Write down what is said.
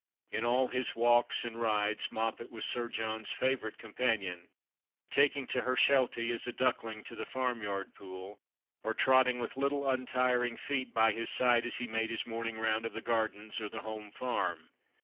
In all his walks and rides Moppet was Sir John's favourite companion, taking to her Shelty as a duckling to the farmyard pool, or trotting with little untiring feet by his side as he made his morning round of the gardens or the home farm.